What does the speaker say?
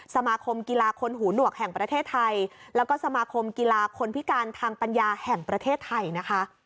สมาคมกีฬาคนหูหนวกแห่งประเทศไทยแล้วก็สมาคมกีฬาคนพิการทางปัญญาแห่งประเทศไทยนะคะ